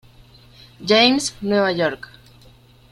James, Nueva York.